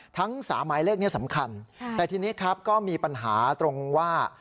ทั้งสามหมายเลขนี้สำคัญแต่ทีนี้ครับก็มีปัญหาตรงว่า